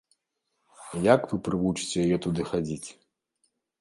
Як вы прывучыце яе туды хадзіць?